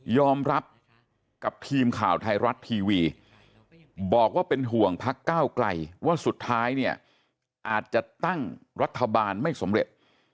อมรับกับทีมข่าวไทยรัฐทีวีบอกว่าเป็นห่วงพักก้าวไกลว่าสุดท้ายเนี่ยอาจจะตั้งรัฐบาลไม่สำเร็จ